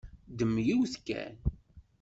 Ddem yiwet kan.